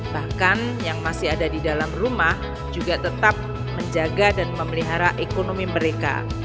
bahkan yang masih ada di dalam rumah juga tetap menjaga dan memelihara ekonomi mereka